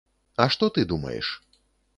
А што ты думаеш?